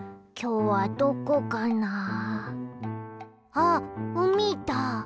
あっうみだ。